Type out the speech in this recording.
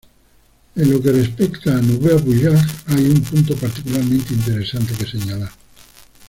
En lo que respecta a "Nouveaux Voyages", hay un punto particularmente interesante que señalar.